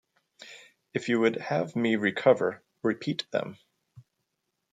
If you would have me recover, repeat them.